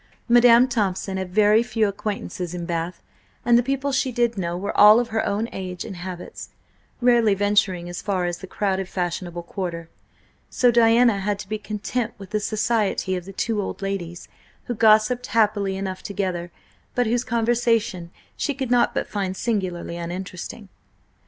Madam Thompson had very few acquaintances in Bath, and the people she did know were all of her own age and habits, rarely venturing as far as the crowded fashionable quarter; so Diana had to be content with the society of the two old ladies, who gossiped happily enough together, but whose conversation she could not but find singularly uninteresting.